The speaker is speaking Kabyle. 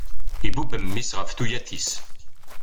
Ibubb mmi-s ɣef tuyat-is.